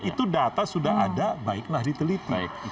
itu data sudah ada baiklah diteliti